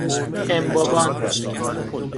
امبابان